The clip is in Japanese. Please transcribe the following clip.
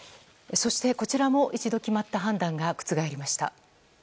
そして、こちらも一度決まった判断が覆りました。